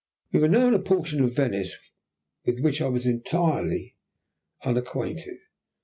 We were now in a portion of Venice with which I was entirely unacquainted.